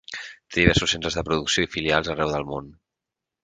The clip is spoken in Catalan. Té diversos centres de producció i filials arreu del món.